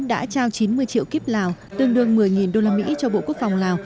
đã trao chín mươi triệu kiếp lào tương đương một mươi đô la mỹ cho bộ quốc phòng lào